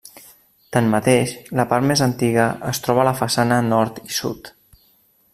Tanmateix, la part més antiga es troba a la façana nord i sud.